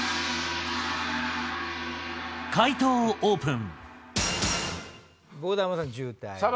解答をオープン。